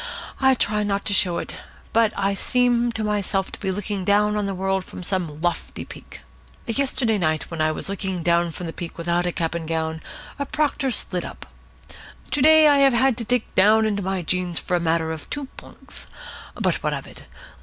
I try not to show it, but I seem to myself to be looking down on the world from some lofty peak. Yesterday night, when I was looking down from the peak without a cap and gown, a proctor slid up. To day I had to dig down into my jeans for a matter of two plunks. But what of it?